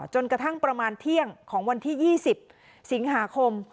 จนกระทั่งประมาณเที่ยงของวันที่๒๐สิงหาคม